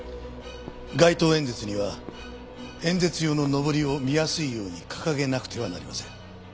街頭演説には演説用ののぼりを見やすいように掲げなくてはなりません。